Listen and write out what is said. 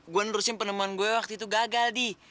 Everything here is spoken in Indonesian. gue nerusin penemuan gue waktu itu gagal nih